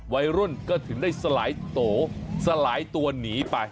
วัยรุ่นก็ถึงได้สลายโตสลายตัวหนีไป